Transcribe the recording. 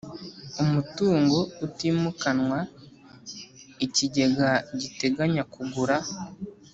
umutungo utimukanwa ikigega giteganya kugura